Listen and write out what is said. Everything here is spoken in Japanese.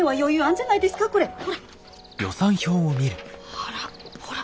あらほら。